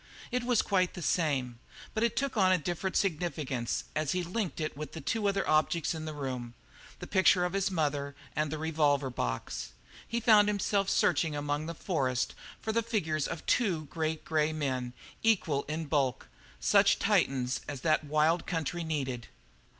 It was quite the same, but it took on a different significance as he linked it with the two other objects in the room, the picture of his mother and the revolver box. He found himself searching among the forest for the figures of two great grey men, equal in bulk, such Titans as that wild country needed.